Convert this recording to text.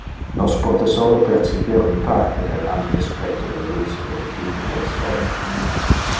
Nos pote solo perciper un parte del ample spectro de luce emittite del sol.